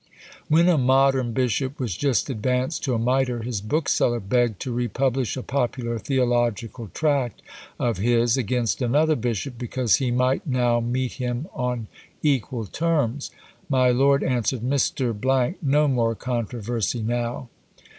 When a modern bishop was just advanced to a mitre, his bookseller begged to re publish a popular theological tract of his against another bishop, because he might now meet him on equal terms. My lord answered "Mr. , no more controversy now!"